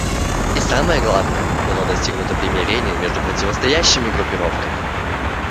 И, самое главное, было достигнуто примирение между противостоящими группировками.